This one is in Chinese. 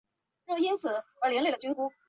寺内还有樱木町事故和鹤见事故的慰灵碑。